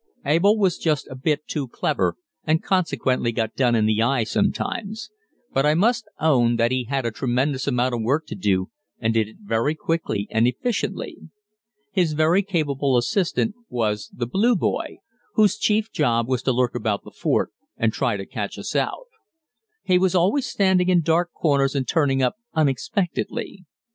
Abel was just a bit too clever, and consequently got done in the eye sometimes; but I must own that he had a tremendous amount of work to do and did it very quickly and efficiently. His very capable assistant was the "Blue Boy," whose chief job was to lurk about the fort and try and catch us out. He was always standing in dark corners and turning up unexpectedly.